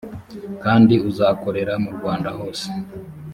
kandi uzakorera mu rwanda hose